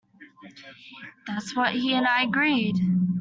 That's what he and I agreed.